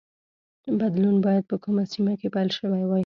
بدلون باید په کومه سیمه کې پیل شوی وای